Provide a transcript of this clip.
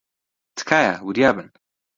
تکایە، وریا بن.